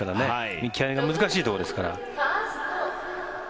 見極めが難しいところですから。